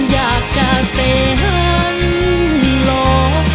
อยากจะเซฮันหลอก